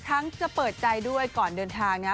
ทั้งจะเปิดใจด้วยก่อนเดินทาง